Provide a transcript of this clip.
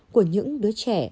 của những đứa trẻ